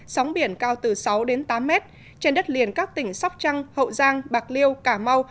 sóng biển cao từ sáu đến tám mét trên đất liền các tỉnh sóc trăng hậu giang bạc liêu cà mau